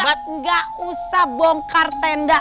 enggak enggak usah bongkar tenda